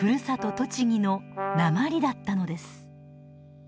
栃木の「なまり」だったのです